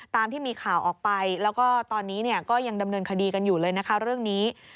ตามที่มีข่าวออกไปแล้วก็ตอนนี้ก็ยังดำเนินคดีกันอยู่เลยนะคะเรื่องนี้